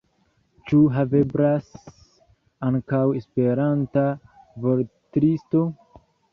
Ĉu haveblas ankaŭ Esperanta vortlisto?